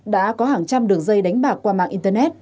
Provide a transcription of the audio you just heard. đã có hàng trăm đường dây đánh bạc qua mạng internet